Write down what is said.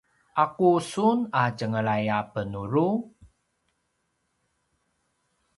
aqu sun a tjenglay a benuru?